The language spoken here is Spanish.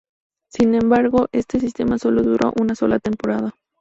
Sin embargo, este sistema solo duró una sola temporada.